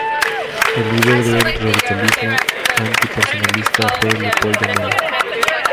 El líder del radicalismo "antipersonalista" fue Leopoldo Melo.